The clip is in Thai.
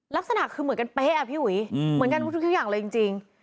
ลักษณะคือเหมือนกันเป๊ะอ่ะพี่อุ๋ยเหมือนกันทุกอย่างเลยจริง